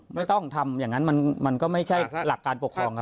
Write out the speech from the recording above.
ไม่ต้องทำอย่างนั้นมันก็ไม่ใช่หลักการปกครอง